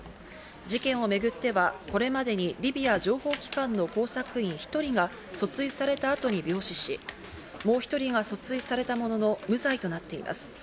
事件をめぐっては、これまでにリビア情報機関の工作員１人が訴追された後に病死し、もう１人が訴追されたものの無罪となっています。